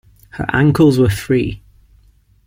Her ankles were free.